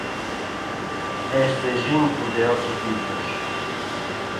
È il quinto di otto figli.